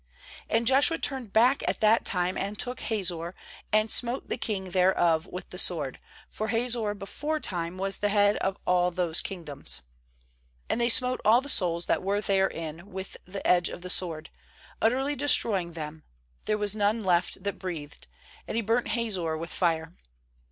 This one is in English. ^ 10And Joshua turned back at that time, and took Hazor, and smote the king thereof with the sword; for Hazor 274 JOSHUA 12.6 beforetime was the head of all those kingdoms. uAnd they smote all the souls that were therein with the edge of the sword, utterly destroying them; there was none left that breathed; and he burnt Hazor with fire.